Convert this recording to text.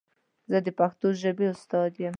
زه د پښتو ژبې استاد یم.